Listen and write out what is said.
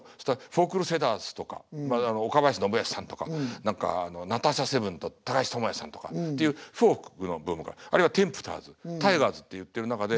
フォーク・クルセダーズとか岡林信康さんとか何かナターシャー・セブンと高石ともやさんとかっていうフォークのブームあるいはテンプターズタイガースって言ってる中で。